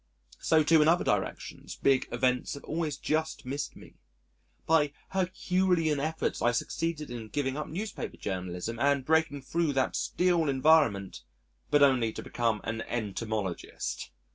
So, too, in other directions, big events have always just missed me: by Herculean efforts I succeeded in giving up newspaper journalism and breaking thro' that steel environment but only to become an Entomologist!